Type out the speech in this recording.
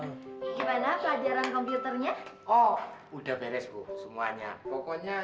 gimana pelajaran komputernya oh udah beres bu semuanya pokoknya